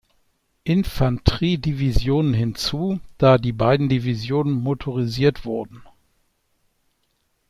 Infanterie-Division hinzu, da die beiden Divisionen motorisiert wurden.